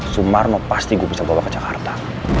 sumarno pasti gue bisa bawa ke jakarta